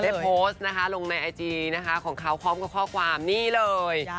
ได้โพสต์นะคะลงในไอจีนะคะของเขาพร้อมกับข้อความนี่เลย